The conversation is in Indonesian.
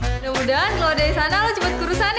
mudah mudahan lo dari sana lo cepet kurusan ya